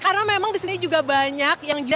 karena memang di sini juga banyak yang juga